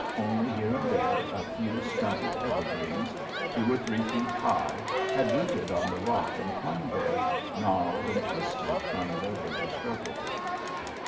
Only, here and there, a few stunted evergreens, two or three feet high, had rooted on the rock and clung there, gnarled and twisted from their winter struggles.